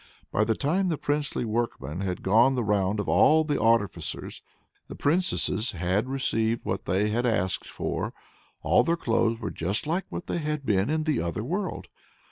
By the time the princely workman had gone the round of all the artificers, the princesses had received what they had asked for; all their clothes were just like what they had been in the other world.